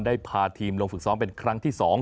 ได้พาทีมลงฝึกซ้อมเป็นครั้งที่๒